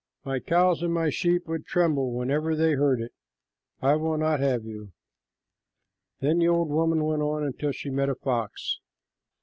"My cows and my sheep would tremble whenever they heard it. I will not have you." Then the old woman went on till she met a fox.